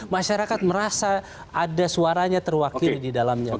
masyarakat merasa ada suaranya terwakili di dalamnya